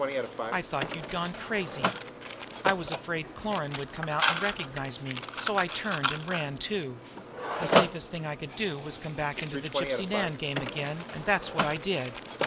I thought you'd gone crazy. I was afraid that Cloran would come out and recognize me, so I turned and ran, too. The safest thing I could do was to get back into the Gypsy Nan game again, and that's what I did.